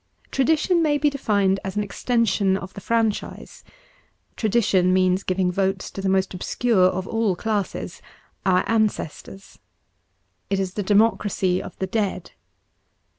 Tradition may be defined as an extension of the franchise. Tradition means giving votes to the most obscure of all classes — our ancestors. It is the democracy of the dead.